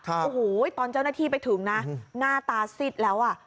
โอ้โหตอนเจ้าหน้าที่ไปถึงนะหน้าตาซิดแล้วอ่ะ